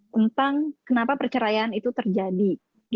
tentang kenapa perceraian itu terjadi